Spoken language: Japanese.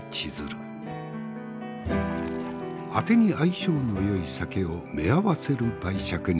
あてに相性のよい酒をめあわせる媒酌人。